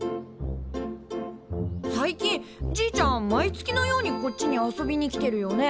最近じいちゃん毎月のようにこっちに遊びに来てるよね？